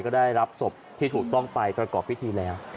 ก็ได้รับศพที่ถูกต้องไปประกอบพิธีแล้ว